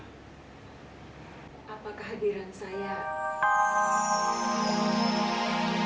hai apa kehadiran saya